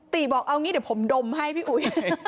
บอกเอางี้เดี๋ยวผมดมให้พี่อุ๋ย